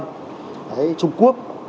đấy trung quốc